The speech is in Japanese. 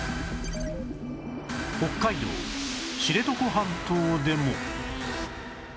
北海道知床半島でも